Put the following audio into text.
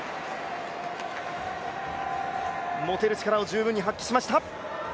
持てる力を十分に発揮しました。